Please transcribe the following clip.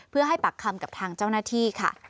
เพื่อให้ปากคำกับทางเจ้าหน้าที่ค่ะ